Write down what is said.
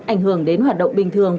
ảnh hưởng đến hoạt động bình thường